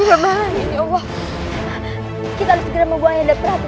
kita harus segera mengeluarkan perhatian